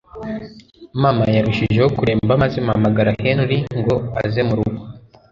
mama yarushijeho kuremba maze mpamagara Henry ngo aze murugo